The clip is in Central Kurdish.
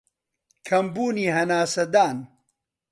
کەمبوونی هەناسەدان